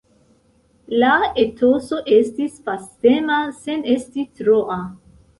La etoso estis festema, sen esti troa.